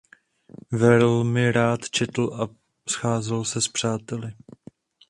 Velmi rád četl a scházel se s přáteli.